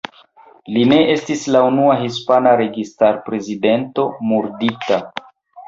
Li ne estis la unua hispana registar-prezidento murdita.